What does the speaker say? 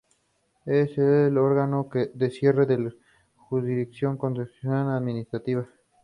Es el órgano de cierre de la jurisdicción Contencioso Administrativa.